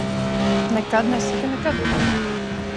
Nekad nesaki nekad!